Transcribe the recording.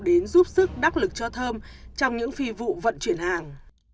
đến giúp sức đắc lực cho thơm trong những phi vụ vận chuyển hàng